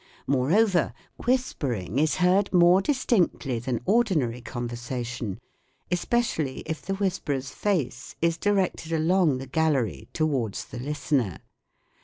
Moreover, whispering is heard more distinctly than ordinary conversation, especially if the whisperer's face is directed along the Gallery towards the listener.